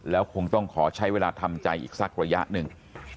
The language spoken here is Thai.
แล้วคงต้องขอใช้เวลาทำใจอีกสักระยะหนึ่ง